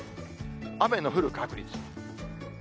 雨の降る確率。